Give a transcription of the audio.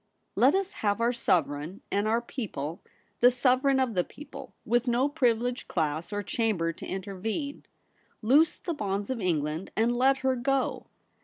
Let us have our Sovereign and our people ; the Sovereign of the people, with no privi leged class or chamber to intervene. Loose the bonds of England, and let her go.